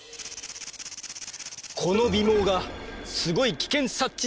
この尾毛がすごい危険察知